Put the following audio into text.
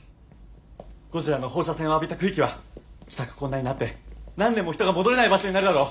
ゴジラの放射線を浴びた区域は帰宅困難になって何年も人が戻れない場所になるだろう。